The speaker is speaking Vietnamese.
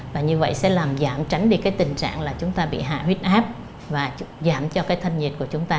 và như vậy sẽ làm giảm tránh đi cái tình trạng là chúng ta bị hạ huyết áp và giảm cho cái thân nhiệt của chúng ta